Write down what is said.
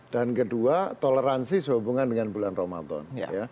dan kedua toleransi sehubungan dengan bulan ramadhan